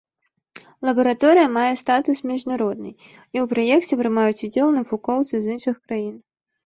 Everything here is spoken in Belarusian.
Лабараторыя мае статус міжнароднай, і ў праекце прымаюць удзел навукоўцы з іншых краін.